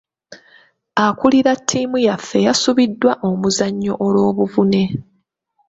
Akuulira ttimu yaffe yasubiddwa omuzannyo olw'obuvune.